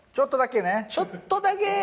ちょっとだけ。